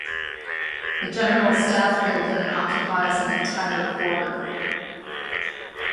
The General Staff building occupies an entire quarter.